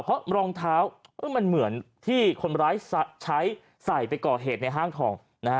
เพราะรองเท้ามันเหมือนที่คนร้ายใช้ใส่ไปก่อเหตุในห้างทอง